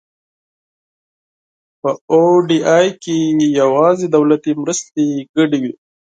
په او ډي آی کې یوازې دولتي مرستې شاملې وي.